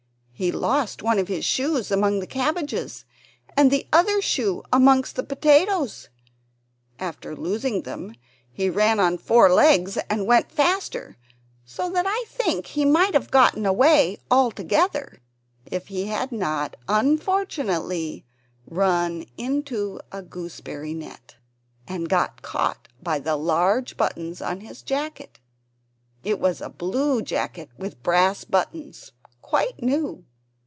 He lost one of his shoes among the cabbages, and the other shoe amongst the potatoes. After losing them, he ran on four legs and went faster, so that I think he might have got away altogether if he had not unfortunately run into a gooseberry net, and got caught by the large buttons on his jacket. It was a blue jacket with brass buttons, quite new.